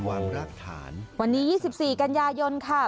วันนี้๒๔การยายนค่ะ